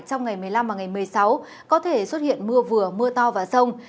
trong ngày một mươi năm và ngày một mươi sáu có thể xuất hiện mưa vừa mưa to và rông